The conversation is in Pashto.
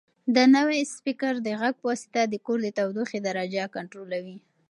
دا نوی سپیکر د غږ په واسطه د کور د تودوخې درجه کنټرولوي.